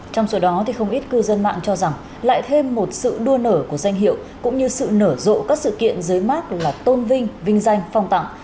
trong số đó thì không ít cư dân mạng cho rằng lại thêm một sự đua nở của danh hiệu cũng như sự nở rộ các sự kiện dưới mát là tôn vinh vinh danh phong tặng